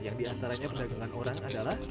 yang diantaranya perdagangan orang adalah